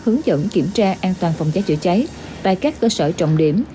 hướng dẫn kiểm tra an toàn phòng cháy chữa cháy tại các cơ sở trọng điểm